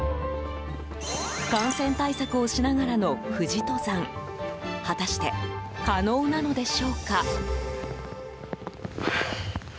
感染対策をしながらの富士登山果たして可能なのでしょうか。